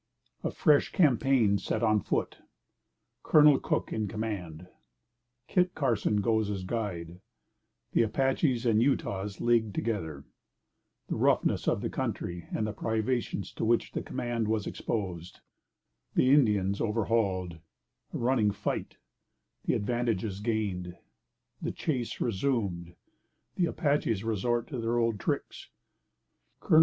A fresh Campaign set on foot Col. Cook in Command Kit Carson goes as Guide The Apaches and Utahs leagued together The Roughness of the Country and the Privations to which the Command was exposed The Indians overhauled A running Fight The Advantages gained The Chase resumed The Apaches resort to their old Tricks Col.